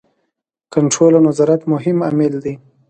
کنټرول او نظارت مهم عامل دی.